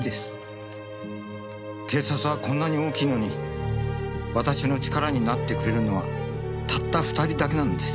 「警察はこんなに大きいのに私の力になってくれるのはたった２人だけなんです」